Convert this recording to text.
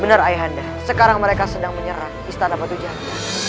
benar ayahanda sekarang mereka sedang menyerang istana batu jahat